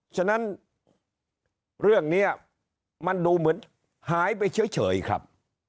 ฉะนั้นเรื่องนี้มันดูเหมือนหายไปเฉยครับ